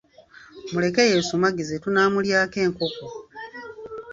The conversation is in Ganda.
Muleke yeesumagize tunaamulyako enkoko.